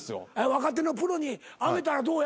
若手のプロにあげたらどうや？